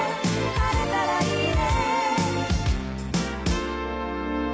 「晴れたらいいね」